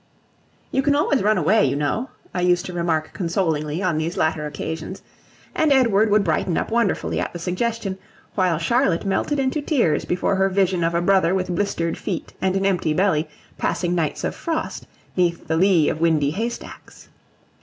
"You can always run away, you know," I used to remark consolingly on these latter occasions; and Edward would brighten up wonderfully at the suggestion, while Charlotte melted into tears before her vision of a brother with blistered feet and an empty belly, passing nights of frost 'neath the lee of windy haystacks.